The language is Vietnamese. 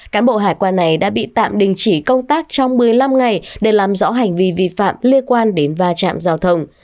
cán bộ hải quan này đã bị tạm đình chỉ công tác trong một mươi năm ngày để làm rõ hành vi vi phạm liên quan đến va chạm giao thông